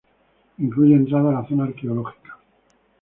Incluye entrada a la Zona Arqueológica.